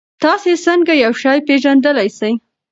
تاسې څنګه یو شی پېژندلای سئ؟